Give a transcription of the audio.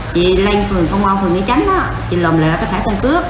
chị lên phường công an phường nghĩa tránh chị lòm lại cái thải căn cứ